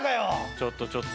ちょっとちょっと。